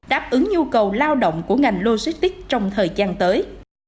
đáp ứng nhu cầu lao động của ngành logistics trong thời gian tới